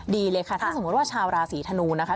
ดีเลยค่ะถ้าสมมุติว่าชาวราศีธนูนะคะ